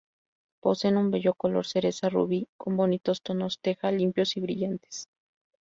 Poseen un bello color cereza-rubí, con bonitos tonos teja, limpios y brillantes.